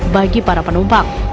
bagi para penumpang